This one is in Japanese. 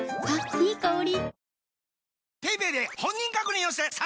いい香り。